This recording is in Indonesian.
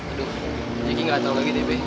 aduh jadi gak tau lagi deh be